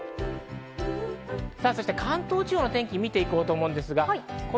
そして関東地方の天気を見ていきます。